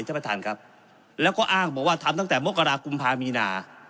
ท่านประธานครับแล้วก็อ้างบอกว่าทำตั้งแต่มกรากุมภามีนา